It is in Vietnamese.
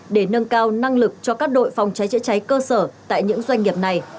để nâng cao năng lực cho các đội phòng cháy chữa cháy cơ sở tại những doanh nghiệp này